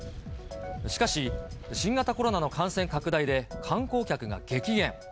しかし、新型コロナの感染拡大で観光客が激減。